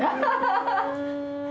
ハハハハ。